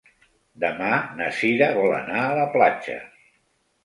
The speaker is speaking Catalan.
Demà na Sira vol anar a la platja.